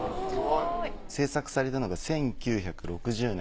制作されたのが１９６０年。